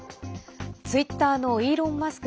ツイッターのイーロン・マスク